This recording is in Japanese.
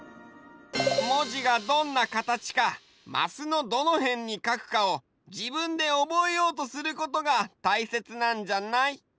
もじがどんなかたちかマスのどのへんにかくかをじぶんでおぼえようとすることがたいせつなんじゃない？